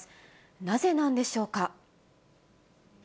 なぜなんでしょうか。